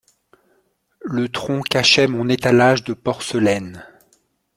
Le tronc cachait mon étalage de porcelaines.